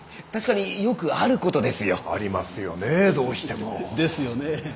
確かによくあることですよ。ありますよねどうしても。ですよね。